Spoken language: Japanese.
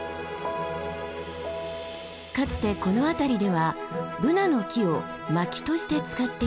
かつてこの辺りではブナの木を薪として使っていました。